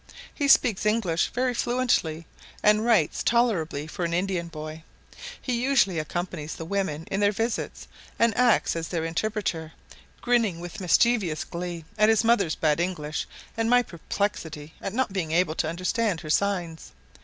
He speaks English very fluently, and writes tolerably for an Indian boy; he usually accompanies the women in their visits, and acts as their interpreter, grinning with mischievous glee at his mother's bad English and my perplexity at not being able to understand her signs.